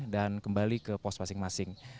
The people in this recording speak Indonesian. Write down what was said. dan kembali ke pos masing masing